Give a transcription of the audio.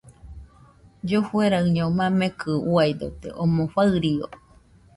Llofueraɨño mamekɨ uiadote, omɨ farió